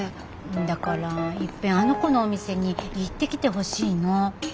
だからいっぺんあの子のお店に行ってきてほしいの。